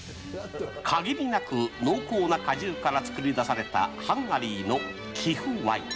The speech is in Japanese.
かぎりなく濃厚な果汁から作り出されたハンガリーの貴腐ワイン。